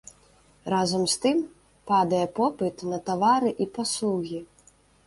Разам з тым, падае попыт на тавары і паслугі.